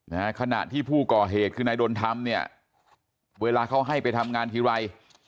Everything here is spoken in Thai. ขณะที่ผู้ก่อเหตุคือนายดนธรรมเนี่ยเวลาเขาให้ไปทำงานทีไร